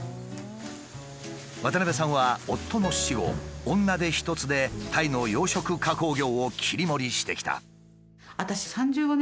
渡さんは夫の死後女手一つでタイの養殖加工業を切り盛りしてきた。